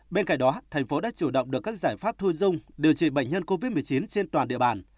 bên cạnh đó thành phố đã chủ động được các giải pháp thu dung điều trị bệnh nhân covid một mươi chín trên toàn địa bàn